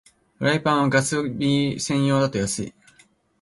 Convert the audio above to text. フライパンはガス火専用だと安い